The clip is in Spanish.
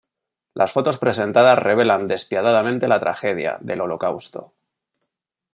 Las fotos presentadas revelan despiadadamente la tragedia, del Holocausto.